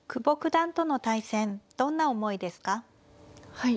はい。